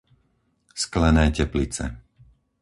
Sklené Teplice